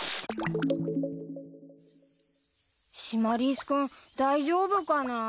シマリス君大丈夫かなぁ。